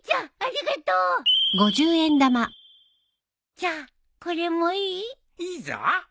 じゃあこれもいい？いいぞ。